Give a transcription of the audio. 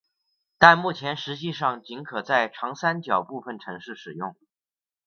但目前实际上仅可在长三角部分城市使用。